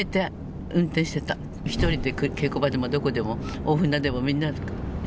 一人で稽古場でもどこでも大船でもみんな。